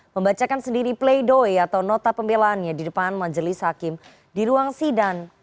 membacakan sendiri play doh atau nota pembelaannya di depan majelis hakim di ruang sidang